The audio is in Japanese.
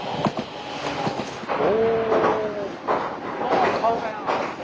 お。